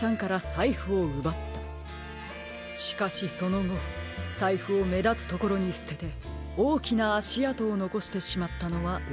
しかしそのごさいふをめだつところにすてておおきなあしあとをのこしてしまったのはうかつでしたね。